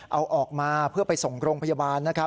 เอาออกมาเพื่อไปส่งโรงพยาบาลนะครับ